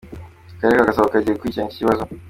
Akarere ka Gasabo kagiye gukurikirana iki kibazo.